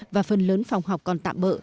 và phần lớn phòng học còn tạm bỡ